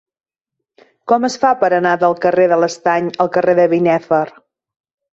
Com es fa per anar del carrer de l'Estany al carrer de Binèfar?